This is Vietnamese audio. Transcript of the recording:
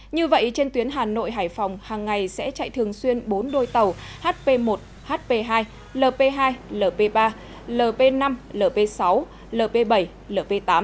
như vậy trên tuyến hà nội hải phòng hàng ngày sẽ chạy thường xuyên bốn đôi tàu hp một hp hai lp hai lp ba lp năm lp sáu lp bảy lp tám